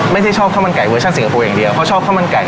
ชอบข้าวมันไก่เวอร์ชันสิงคโปร์อย่างเดียวเขาชอบข้าวมันไก่